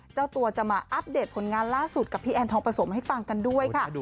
เจ้าตัวจะมาอัปเดตผลงานล่าสุดกับพี่แอนทองประสมให้ฟังกันด้วยค่ะ